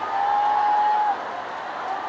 วัฒนิยาพุทธ